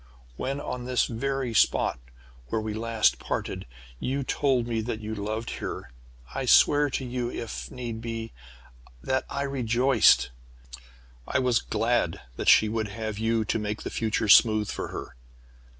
"When, on this very spot where we last parted, you told me that you loved her, I swear to you, if need be, that I rejoiced. I was glad that she would have you to make the future smooth for her.